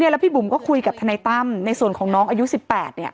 แล้วพี่บุ๋มก็คุยกับทนายตั้มในส่วนของน้องอายุ๑๘